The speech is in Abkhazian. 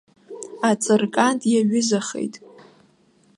Аҵыркант иаҩызахеит.